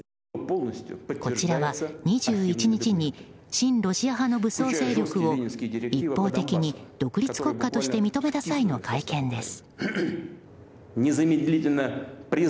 こちらは２１日に親ロシア派の武装勢力を一方的に独立国家として認めた際の会見です。